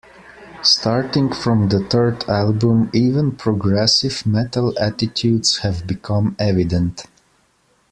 Starting from the third album, even progressive metal attitudes have become evident.